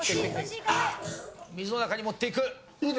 水の中に持っていく！